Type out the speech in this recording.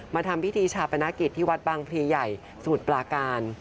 ทำพิธีชาปนกิจที่วัดบางพลีใหญ่สมุทรปลาการ